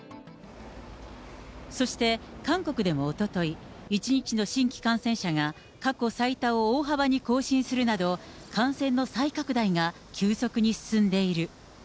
そして韓国でもおととい、１日の新規感染者が過去最多を大幅に更新するなど、感染の再拡大が急速に進んでいる。